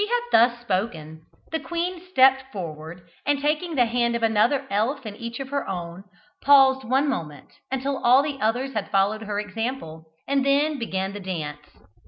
When she had thus spoken, the queen stepped forward, and taking the hand of another elf in each of her own, paused one moment until all the others had followed her example, and then began the dance.